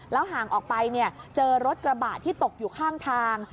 ห่างออกไปเจอรถกระบะที่ตกอยู่ข้างทาง